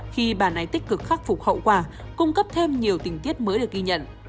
khi bản án tích cực khắc phục hậu quả cung cấp thêm nhiều tình tiết mới được ghi nhận